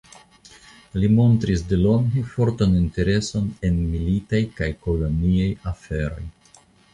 Li montris delonge fortan intereson en militaj kaj koloniaj aferoj.